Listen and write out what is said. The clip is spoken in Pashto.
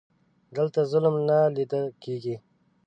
دلته ظلم نه لیده کیږي.